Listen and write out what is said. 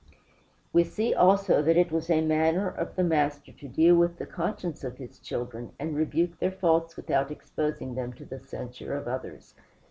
We see also that it was a manner of the Master to deal with the conscience of his children, and rebuke their faults without exposing them to the censure of others.